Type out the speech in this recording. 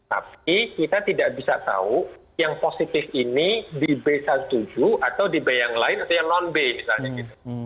tapi kita tidak bisa tahu yang positif ini di b satu tujuh atau di b yang lain atau yang non b misalnya gitu